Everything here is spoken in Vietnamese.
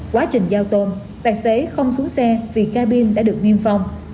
quá trình giao tôn tài xế không xuống xe vì ca bin đã được niêm phong